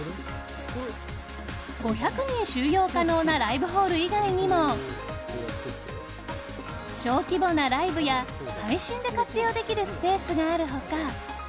５００人収容可能なライブホール以外にも小規模なライブや、配信で活用できるスペースがある他